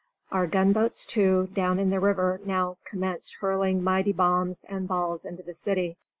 Our gunboats too, down in the river now commenced hurling mighty bombs and balls into the city.